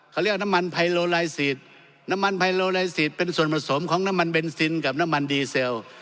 เขาเรียกว่าน้ำมันไพโลลายซีดน้ำมันไฮโลลายซีดเป็นส่วนผสมของน้ำมันเบนซินกับน้ำมันดีเซล